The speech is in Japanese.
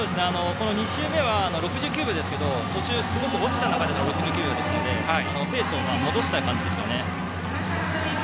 ２周目は６９秒ですけど途中、すごく落ちた中での６９秒ですのでペースを戻した感じですね。